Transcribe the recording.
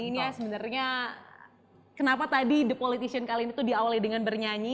ini ya sebenarnya kenapa tadi the politician kali ini tuh diawali dengan bernyanyi